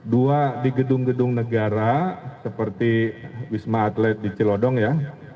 dua di gedung gedung negara seperti wisma atlet di celodong ya